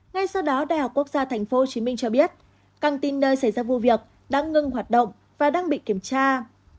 ngay sau đó đh tp hcm cho biết căng tin nơi xảy ra vụ việc đã ngưng hoạt động và đang bị kiểm tra